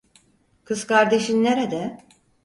Kız kardeşin nerede?